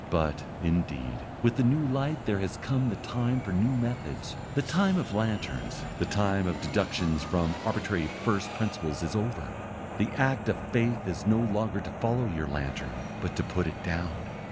But, indeed, with the new light there has come the time for new methods; the time of lanterns, the time of deductions from arbitrary first principles is over. The act of faith is no longer to follow your lantern, but to put it down.